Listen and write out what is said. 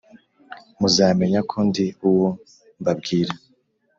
Muzamenya ko ndi uwo mbabwira